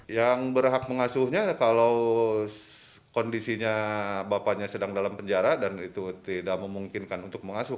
yang berhak mengasuhnya kalau kondisinya bapaknya sedang dalam penjara dan itu tidak memungkinkan untuk mengasuh